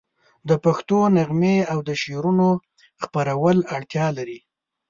د پښتو نغمې او د شعرونو خپرول اړتیا لري.